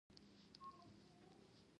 ریښه د هویت د ثبات بنسټ ده.